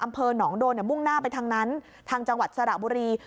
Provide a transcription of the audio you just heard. อำเภอหนองโดนมุ่งหน้าไปทางนั้นทางจังหวัดสระบุรี